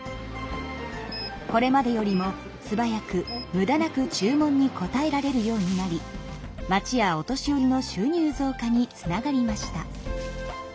これまでよりもすばやくむだなく注文に応えられるようになり町やお年寄りの収入増加につながりました。